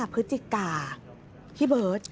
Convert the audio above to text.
พฤศจิกาพี่เบิร์ต